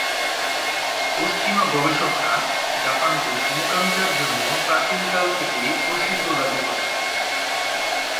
পশ্চিমা গবেষকরা জাপানকে সমকামিতার জন্য প্রাচীনকাল থেকেই 'প্রসিদ্ধ' দাবি করেন।